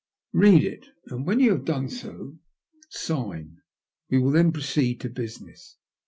*' Bead it, and when you have done so, sign. We will then proceed to business."